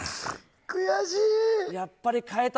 悔しい。